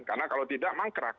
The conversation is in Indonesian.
karena kalau tidak mangkrak